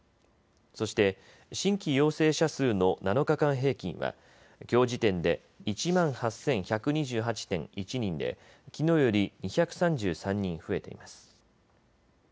そして、新規陽性者数の７日間平均はきょう時点で１万８１２８．１人できのうより２３３人増えています。